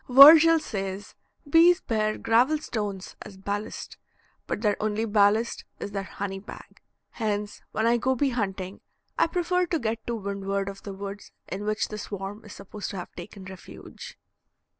Virgil says bees bear gravel stones as ballast, but their only ballast is their honey bag. Hence, when I go bee hunting, I prefer to get to windward of the woods in which the swarm is supposed to have taken refuge.